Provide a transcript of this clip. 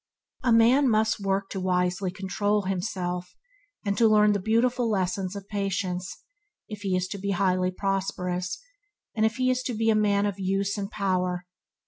A man must begin to wisely control himself, and to learn the beautiful lessons of patience, if he is to be highly prosperous, if he is to be a man of use and power.